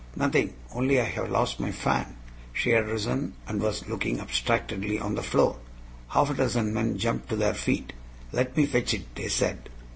"Nothing only I have lost my fan." She had risen, and was looking abstractedly on the floor. Half a dozen men jumped to their feet. "Let me fetch it," they said.